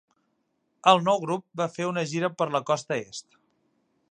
El nou grup va fer una gira per la Costa Est.